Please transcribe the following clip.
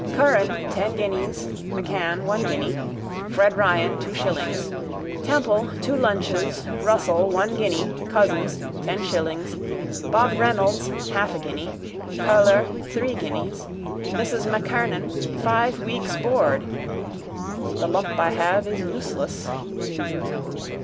Curran, ten guineas. McCann, one guinea. Fred Ryan, two shillings. Temple, two lunches. Russell, one guinea, Cousins, ten shillings, Bob Reynolds, half a guinea, Koehler, three guineas, Mrs MacKernan, five weeks' board. The lump I have is useless.